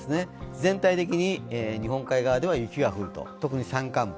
全体的に日本海側では雪が降ると、特に山間部。